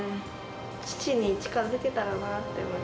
父に近づけたらなって思い